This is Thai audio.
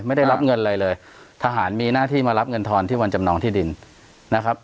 ไม่ได้รับเงินอะไรเลยทหารมีหน้าที่มารับเงินทอนที่วันจำนองที่ดินนะครับ